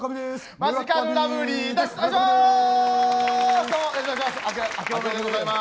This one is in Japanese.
マヂカルラブリーです！